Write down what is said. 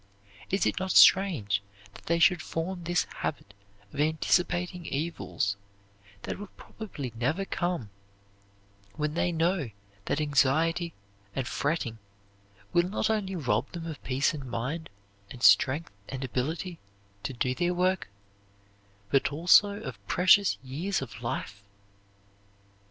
Is it not strange that they should form this habit of anticipating evils that will probably never come, when they know that anxiety and fretting will not only rob them of peace of mind and strength and ability to do their work, but also of precious years of life?